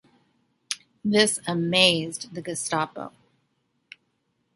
This amazed the Gestapo.